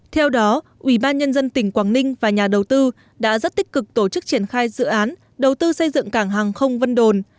theo đó ủy ban nhân dân tỉnh quảng ninh và nhà đầu tư đã rất tích cực tổ chức triển khai dự án đầu tư xây dựng cảng hàng không vân đồn